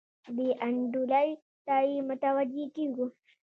بې انډولۍ ته یې متوجه کیږو.